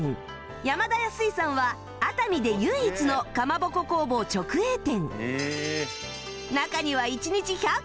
山田屋水産は熱海で唯一のかまぼこ工房直営店